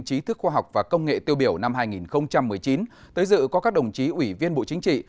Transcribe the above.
trí thức khoa học và công nghệ tiêu biểu năm hai nghìn một mươi chín tới dự có các đồng chí ủy viên bộ chính trị